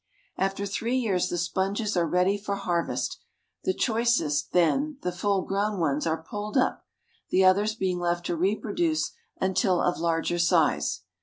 After three years the sponges are ready for harvest. The choicest then, the full grown ones, are pulled up, the others being left to reproduce until of larger size.